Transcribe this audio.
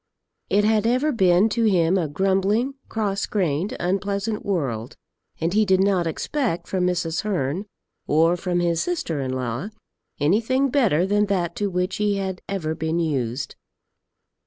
It had ever been to him a grumbling, cross grained, unpleasant world; and he did not expect from Mrs. Hearn, or from his sister in law, anything better than that to which he had ever been used.